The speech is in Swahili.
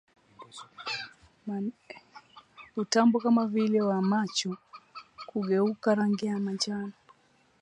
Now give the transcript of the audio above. Utando kama vile wa macho kugeuka rangi ya manjano